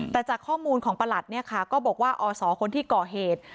แต่จากข้อมูลของประหลัดเนี่ยค่ะก็บอกว่าอศคนที่ก่อเหตุ